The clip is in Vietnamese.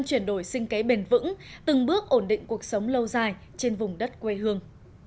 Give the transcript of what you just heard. chuyển đổi sinh kế bền vững từng bước ổn định cuộc sống lâu dài trên vùng đất quê hương